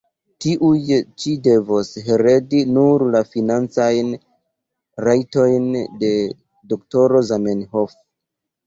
Tiuj ĉi devos heredi nur la financajn rajtojn de Dro Zamenhof.